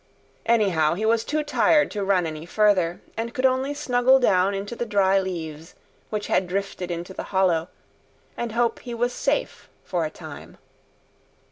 Anyhow, he was too tired to run any further, and could only snuggle down into the dry leaves which had drifted into the hollow and hope he was safe for a time.